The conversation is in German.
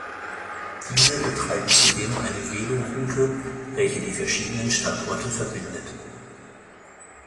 Diese betreiben zudem eine Veloroute welche die verschiedenen Standorte verbindet.